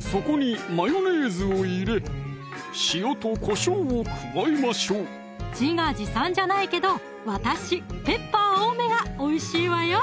そこにマヨネーズを入れ塩とこしょうを加えましょう自画自賛じゃないけど私ペッパー多めがおいしいわよ